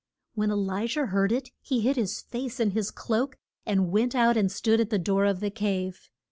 When E li jah heard it he hid his face in his cloak, and went out and stood at the door of the cave.